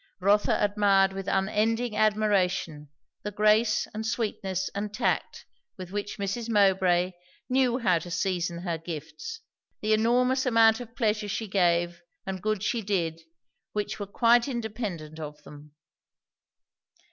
Rotha admired with unending admiration, the grace and sweetness and tact with which Mrs. Mowbray knew how to season her gifts; the enormous amount of pleasure she gave and good she did which were quite independent of them.